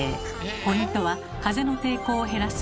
ポイントは風の抵抗を減らす凸